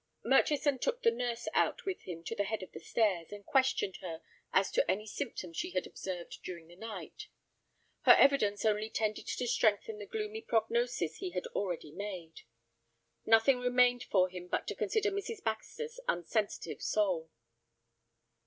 Murchison took the nurse out with him to the head of the stairs, and questioned her as to any symptoms she had observed during the night. Her evidence only tended to strengthen the gloomy prognosis he had already made. Nothing remained for him but to consider Mrs. Baxter's unsensitive soul.